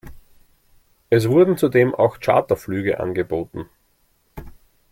Es wurden zudem auch Charterflüge angeboten.